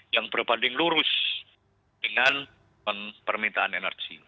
yang berbanding lurus dengan permintaan energi